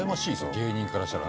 芸人からしたら。